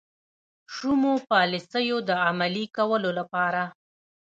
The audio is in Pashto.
شومو پالیسیو د عملي کولو لپاره.